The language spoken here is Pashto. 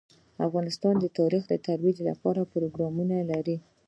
افغانستان د تاریخ د ترویج لپاره پروګرامونه لري.